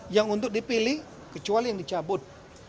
yang untuk dipilih kecuali yang dicabut